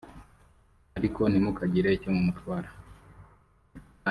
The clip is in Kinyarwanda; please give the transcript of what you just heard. ariko ntimukagire icyo mumutwara